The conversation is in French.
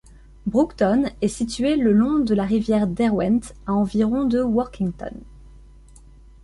Broughton est situé le long de la rivière Derwent, à environ de Workington.